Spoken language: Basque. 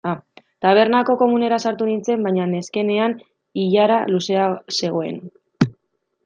Tabernako komunera sartu nintzen baina neskenean ilara luzea zegoen.